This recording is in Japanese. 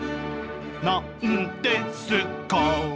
なんですか。